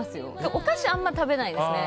お菓子はあんまり食べないですね。